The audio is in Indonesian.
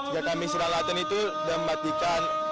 jika kami serah latin itu dan mematikan